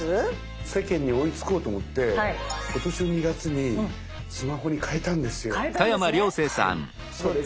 世間に追いつこうと思って今年の２月にスマホに替えたんですよ。替えたんですね。